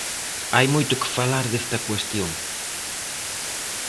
Hai moito que falar desta cuestión.